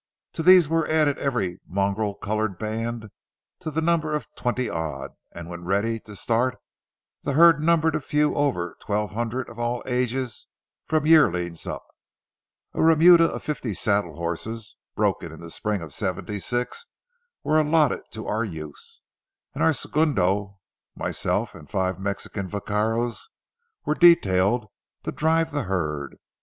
To these were added every mongrel colored band to the number of twenty odd, and when ready to start the herd numbered a few over twelve hundred of all ages from yearlings up. A remuda of fifty saddle horses, broken in the spring of '76, were allotted to our use, and our segundo, myself, and five Mexican vaqueros were detailed to drive the herd.